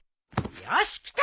よしきた！